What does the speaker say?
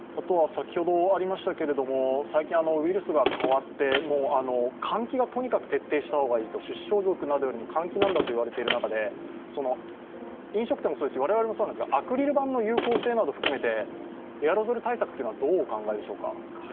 最近、ウイルスが変わって換気をとにかく徹底した方がいい、手指消毒などよりも換気なんだといわれている中で飲食店もそうですし、我々もそうなんですがアクリル板の有効性などを含めてエアロゾル対策をどうお考えでしょうか。